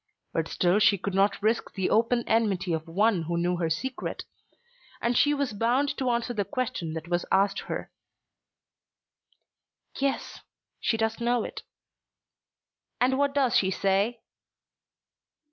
But still she could not risk the open enmity of one who knew her secret. And she was bound to answer the question that was asked her. "Yes, she does know it." "And what does she say?"